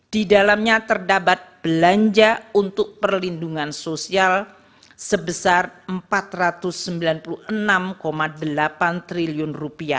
di dalamnya terdapat belanja untuk perlindungan sosial sebesar rp empat ratus sembilan puluh enam delapan triliun